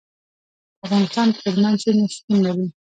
په افغانستان کې هلمند سیند شتون لري.